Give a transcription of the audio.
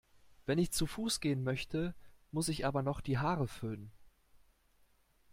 Wenn ich zu Fuß gehen möchte, muss ich aber noch die Haare föhnen.